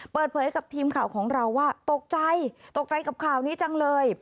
เปิดเผยกับทีมข่าวของเราว่าตกใจตกใจกับข่าวนี้จังเลย